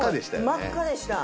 真っ赤でした。